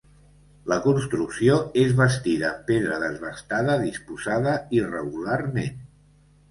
La construcció és bastida amb pedra desbastada disposada irregularment.